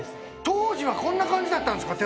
当時はこんな感じだったんですか